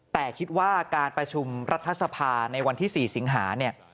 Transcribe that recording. แต่คิดว่าการประชุมรัฐสภาในวันที่๔สิงหาเนี่ย